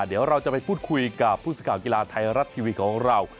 เดี๋ยวเราจะไปพูดคุยกับผู้สื่อข่าวกีฬาไทยรัฐทีวีของเรา